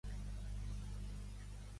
Quina és la presència de Cs a l'Estat?